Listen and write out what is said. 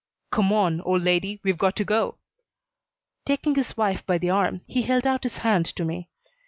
"Come on, old lady, we've got to go." Taking his wife by the arm, he held out his hand to me.